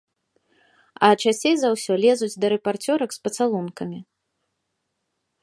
А часцей за ўсё лезуць да рэпарцёрак з пацалункамі.